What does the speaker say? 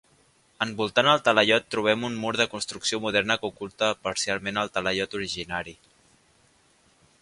Envoltant el talaiot, trobem un mur de construcció moderna que oculta parcialment el talaiot originari.